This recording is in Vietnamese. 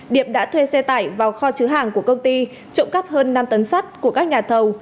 điệp đã thuê xe tải vào kho chứa hàng của công ty trộm cắp hơn năm tấn sắt của các nhà thầu